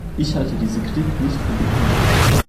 Ich halte diese Kritik nicht für begründet.